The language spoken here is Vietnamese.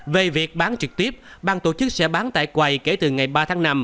về việc bán trực tiếp bang tổ chức sẽ bán tại quầy kể từ ngày ba tháng năm